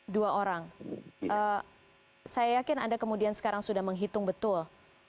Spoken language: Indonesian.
dua orang saya yakin anda kemudian sekarang sudah menghitung betul